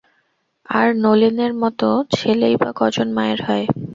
আর নলিনের মতো ছেলেই বা কজন মায়ের হয়?